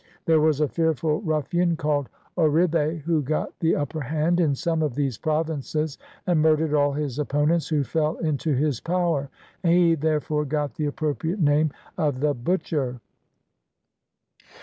There was a fearful ruffian, called Orribe, who got the upper hand in some of these provinces, and murdered all his opponents who fell into his power; he therefore got the appropriate name of the `butcher.'